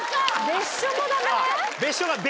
別所もダメ？